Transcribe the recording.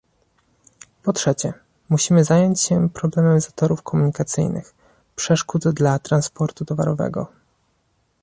Po trzecie, musimy zająć się problemem zatorów komunikacyjnych, przeszkód dla transportu towarowego